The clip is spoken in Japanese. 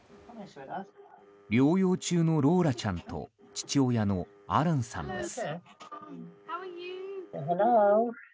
療養中のローラちゃんと父親のアランさんです。